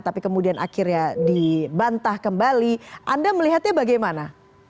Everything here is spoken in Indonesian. tapi kemudian akhirnya dibantah kembali anda melihatnya bagaimana